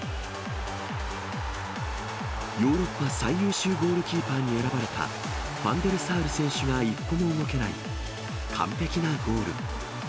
ヨーロッパ最優秀ゴールキーパーに選ばれた、ファンデルサール選手が一歩も動けない完璧なゴール。